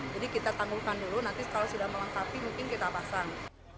jadi kita tanggungkan dulu nanti kalau sudah melengkapi mungkin kita pasang